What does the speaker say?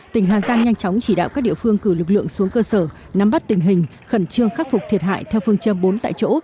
tỉnh hà giang nhanh chóng chỉ đạo các địa phương cử lực lượng xuống cơ sở nắm bắt tình hình khẩn trương khắc phục thiệt hại theo phương châm bốn tại chỗ